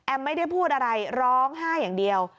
ไม่ได้พูดอะไรร้องไห้อย่างเดียว